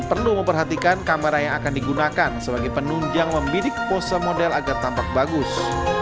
perlu memperhatikan kamera yang akan digunakan sebagai penunjang membidik pose model agar tampak bagus